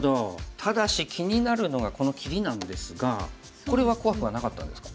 ただし気になるのがこの切りなんですがこれは怖くはなかったんですか？